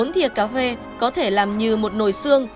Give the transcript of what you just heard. bốn thiều cà phê có thể làm như một nồi xương